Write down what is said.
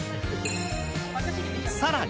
さらに。